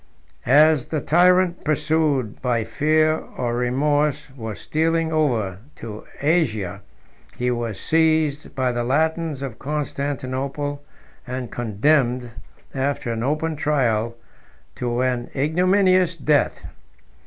As the tyrant, pursued by fear or remorse, was stealing over to Asia, he was seized by the Latins of Constantinople, and condemned, after an open trial, to an ignominious death.